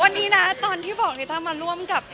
วันนี้นะตอนที่บอกลิต้ามาร่วมกับ